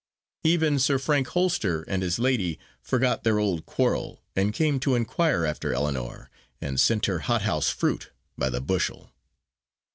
Even Sir Frank Holster and his lady forgot their old quarrel, and came to inquire after Ellinor, and sent her hothouse fruit by the bushel.